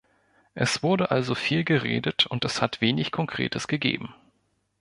Es wurde also viel geredet, und es hat wenig Konkretes gegeben.